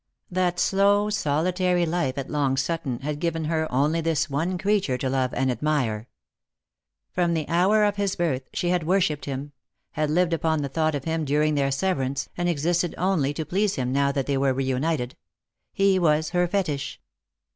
That slow solitary life at Long Sutton had given her only this one creature to love and admire. From the hour of his birth she had wor shipped him, had lived upon the thought of him during their severance, and existed only to please him now that they were reunited. He was her fetish.